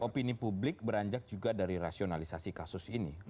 opini publik beranjak juga dari rasionalisasi kasus ini